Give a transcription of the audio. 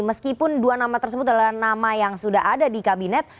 meskipun dua nama tersebut adalah nama yang sudah ada di kabinet